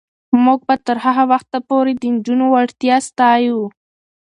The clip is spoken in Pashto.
موږ به تر هغه وخته پورې د نجونو وړتیا ستایو.